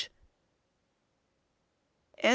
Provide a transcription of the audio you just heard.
THE END.